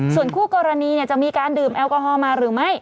ส่วนคู่กรณีจะมีการดื่มแอลกอฮอล์มาหรือไม่